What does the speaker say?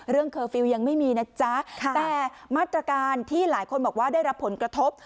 เคอร์ฟิลล์ยังไม่มีนะจ๊ะแต่มาตรการที่หลายคนบอกว่าได้รับผลกระทบ